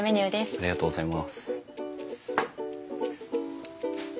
ありがとうございます。